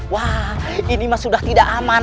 wah ini sudah tidak aman